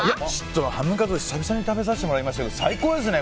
ハムカツ、久々に食べさせてもらいましたけど最高ですね！